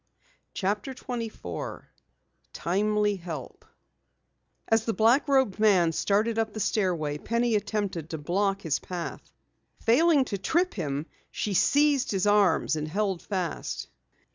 CHAPTER 24 TIMELY HELP As the black robed man started up the stairway, Penny attempted to block his path. Failing to trip him, she seized his arms and held fast.